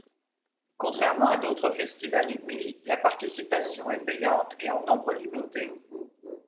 Contrairement à d'autres festivals hippies, la participation est payante et en nombre limité.